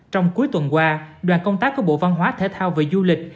trong cuối tuần qua đoàn công tác của bộ văn hóa thể thao và du lịch